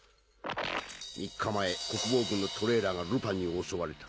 ３日前国防軍のトレーラーがルパンに襲われた。